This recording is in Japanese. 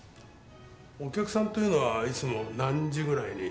お客さんというのはいつも何時ぐらいに？